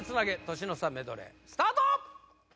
年の差メドレースタート！